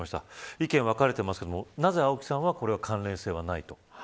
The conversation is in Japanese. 意見が分かれていますが、なぜ青木さんは関連性はないと。